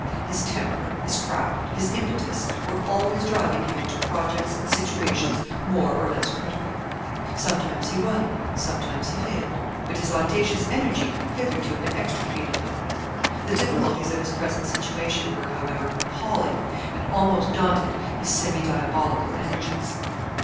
His temper, his craft, his impetus, were always driving him into projects and situations more or less critical. Sometimes he won, sometimes he failed; but his audacious energy hitherto had extricated him. The difficulties of his present situation were, however, appalling, and almost daunted his semi diabolical energies.